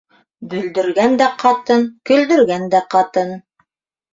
Бөлдөргән дә ҡатын, көлдөргән дә ҡатын.